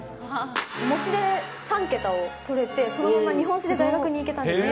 模試で３桁を取れて、そのまま日本史で大学に行けたんですよ。